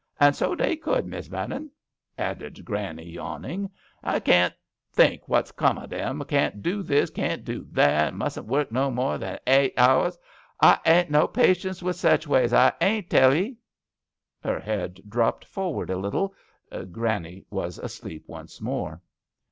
* And so they could, Miss Vernon," added Granny, yawn ing. " I caen't think what's come to them. Caen't do this, and caen't do that, and mustn't work no more than 'ite 'ours. I ain't no patience wi* sech ways — I ain't— tell 'ee ..." Her head dropped forward a little. Granny was asleep once more.